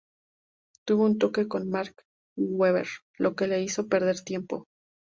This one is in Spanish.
Tuvo un toque con Mark Webber, lo que le hizo perder tiempo.